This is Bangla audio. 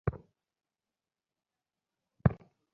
কেহ যদি আমার শরীরে ঘুষি মারে, আমি বলিব আমাকে ঘুষি মারিয়াছে।